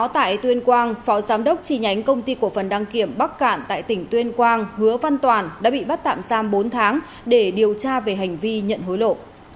tại tuyên quang phó giám đốc tri nhánh công ty cổ phần đăng kiểm bắc cạn tại tỉnh tuyên quang hứa văn toàn đã bị bắt tạm giam bốn tháng để điều tra về hành vi nhận hối lộ